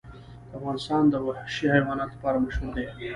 افغانستان د وحشي حیواناتو لپاره مشهور دی.